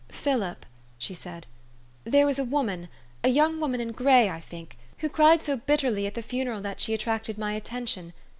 "Philip," she said, " there was a woman, a young woman in gray, I think, who cried so bitterly at the funeral, that she attracted my attention.